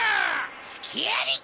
すきあり！